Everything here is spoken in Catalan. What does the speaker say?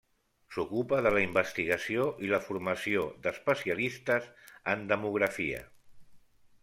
S'ocupa de la investigació i la formació d’especialistes en demografia.